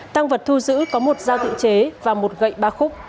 tăng vật thu giữ có một dao tự chế và một gậy ba khúc